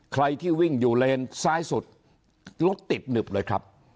ใครที่วิ่งอยู่เลนซ้ายสุดรถติดหนึบเลยครับ